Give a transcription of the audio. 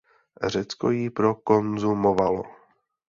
Řecko ji prokonzumovalo.